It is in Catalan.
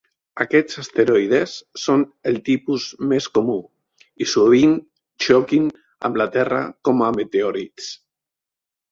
Aquests asteroides són el tipus més comú, i sovint xoquin amb la terra com a meteorits.